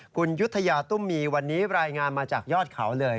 คุณยุธยาตุ้มมีวันนี้รายงานมาจากยอดเขาเลย